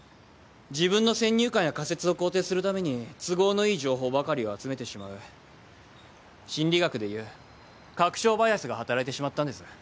自分の先入観や仮説を肯定するために都合のいい情報ばかりを集めてしまう心理学でいう確証バイアスが働いてしまったんです。